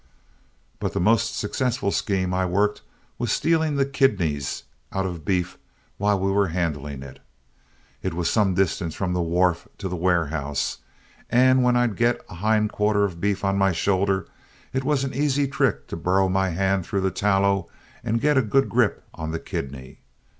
"But the most successful scheme I worked was stealing the kidneys out of beef while we were handling it. It was some distance from the wharf to the warehouse, and when I'd get a hind quarter of beef on my shoulder, it was an easy trick to burrow my hand through the tallow and get a good grip on the kidney.